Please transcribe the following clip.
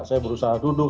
saya berusaha duduk